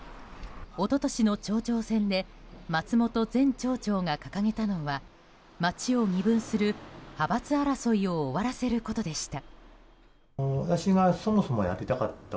一昨年の町長選で松本前町長が掲げたのは町を二分する派閥争いを終わらせることでした。